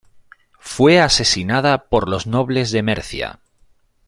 Fue asesinada por los nobles de Mercia.